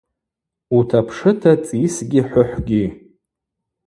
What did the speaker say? Утапшыта цӏисгьи хӏвыхӏвгьи.